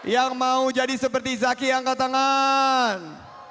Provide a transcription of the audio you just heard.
yang mau jadi seperti zaki angkat tangan